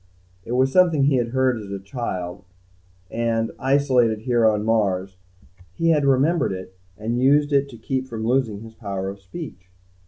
It was something he had heard as a child and, isolated here on Mars, he had remembered it and used it to keep from losing his power of speech.